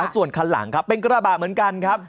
ส่วนคันหลังครับเป็นกระบะเหมือนกันครับ